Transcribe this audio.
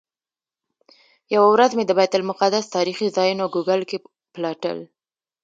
یوه ورځ مې د بیت المقدس تاریخي ځایونه ګوګل کې پلټل.